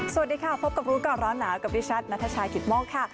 สวัสดีค่ะพบกับรู้ก่อนร้อนหนาวกับดิฉันนัทชายกิตโมกค่ะ